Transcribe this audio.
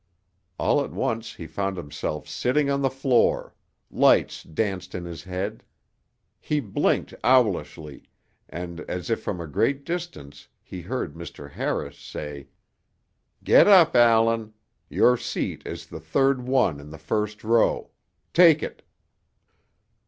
All at once he found himself sitting on the floor. Lights danced in his head. He blinked owlishly, and as if from a great distance, he heard Mr. Harris say, "Get up, Allan. Your seat is the third one in the first row. Take it."